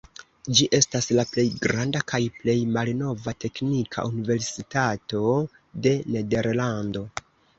Ĝi estas la plej granda kaj plej malnova teknika universitato de Nederlando.